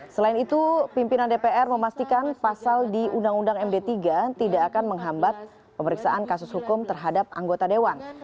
selain itu pimpinan dpr memastikan pasal di undang undang md tiga tidak akan menghambat pemeriksaan kasus hukum terhadap anggota dewan